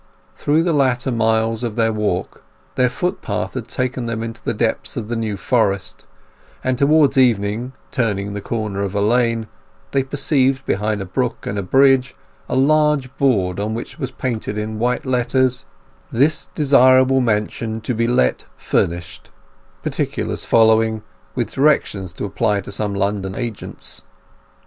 Through the latter miles of their walk their footpath had taken them into the depths of the New Forest, and towards evening, turning the corner of a lane, they perceived behind a brook and bridge a large board on which was painted in white letters, "This desirable Mansion to be Let Furnished"; particulars following, with directions to apply to some London agents.